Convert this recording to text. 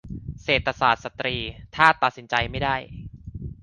เศรษฐศาสตร์สตรี : ถ้าตัดสินใจไม่ได้